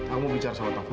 aku mau bicara sama taufan